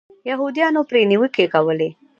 یهودیانو پرې نیوکې کولې.